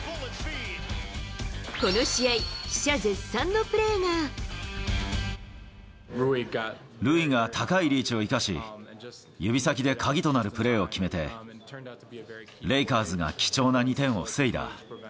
この試合、塁が高いリーチを生かし、指先で鍵となるプレーを決めて、レイカーズが貴重な２点を防いだ。